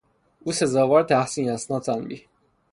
او سزاوار تحسین است نه تنبیه!